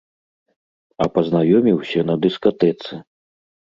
А пазнаёміўся на дыскатэцы.